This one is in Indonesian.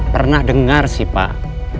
pernah dengar sih pak